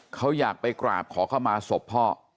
เขาอยากไปกราบขอเข้ามาศพพ่อ